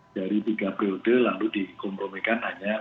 dari tiga periode lalu dikompromikan hanya